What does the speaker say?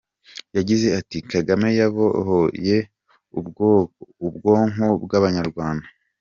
Yagize ati “Kagame yabohoye ubwonko bw’Abanyarwanda.